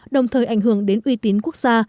đồng thời ảnh hưởng đến uy tín quốc gia